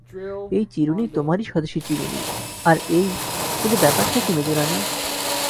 এই চিরুনি তোমারই স্বদেশী চিরুনি, আর এই– কিন্তু ব্যাপারটা কী মেজোরানী?